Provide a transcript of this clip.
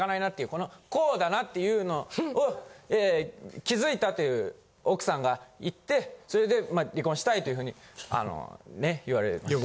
このこうだなっていうのを気づいたという奥さんが言ってそれで離婚したいというふうにあのね言われました。